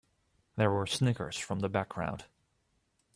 There were snickers from the background.